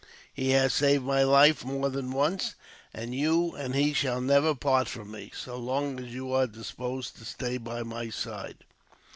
He has saved my life more than once; and you and he shall never part from me, so long as you are disposed to stay by my side."